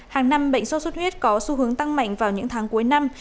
hàng năm bệnh sốt xuất huyết có xu hướng tăng mạnh vào những tháng cuối năm